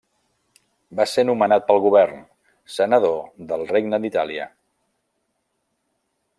Va ser nomenat pel govern, senador del Regne d'Itàlia.